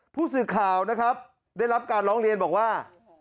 ผู้สื่อข่าวนะครับได้รับการร้องเรียนบอกว่า